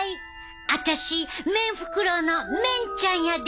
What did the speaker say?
私メンフクロウのメンちゃんやで！